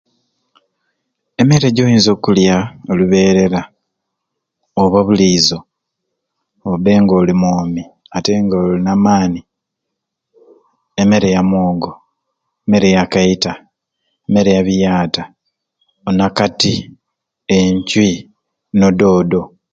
Emere gyoyinza okulya buli luberera oba obuliizo kobe nga oli mwomi ate nga olina amaani emere ya mwogo emere ya kaita emere ya biyata onakati encwi no doodo